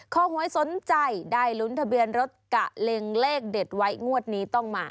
หวยสนใจได้ลุ้นทะเบียนรถกะเล็งเลขเด็ดไว้งวดนี้ต้องมา